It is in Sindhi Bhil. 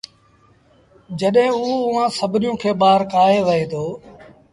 جڏهيݩٚ اوٚ اُئآݩٚ سڀنيٚوݩ کي ٻآهر ڪآهي وهي دو